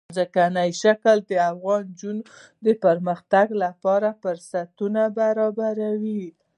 ځمکنی شکل د افغان نجونو د پرمختګ لپاره فرصتونه برابروي.